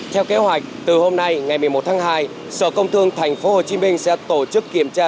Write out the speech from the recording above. theo kế hoạch từ hôm nay ngày một mươi một tháng hai sở công thương tp hcm sẽ tổ chức kiểm tra